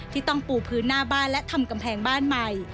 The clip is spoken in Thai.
ที่ต้องปูพื้นหน้าบ้านและทำกำแพงบ้านใหม่